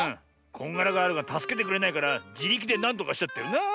こんがらガールがたすけてくれないからじりきでなんとかしちゃったよなあ。